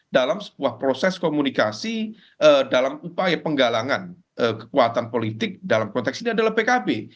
dalam sebuah proses komunikasi dalam upaya penggalangan kekuatan politik dalam konteks ini adalah pkb